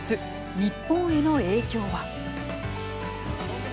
日本への影響は。